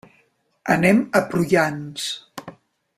Anem a Prullans.